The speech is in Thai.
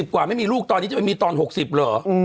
กว่าไม่มีลูกตอนนี้จะไม่มีตอน๖๐เหรอ